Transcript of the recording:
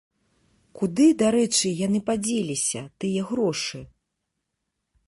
Куды, дарэчы, яны падзеліся, тыя грошы?